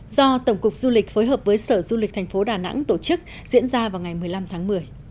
do tổng cục du lịch phối hợp với sở du lịch thành phố đà nẵng tổ chức diễn ra vào ngày một mươi năm tháng một mươi